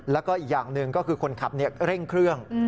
แล้วก็อีกอย่างหนึ่งก็คือคนขับเร่งเครื่อง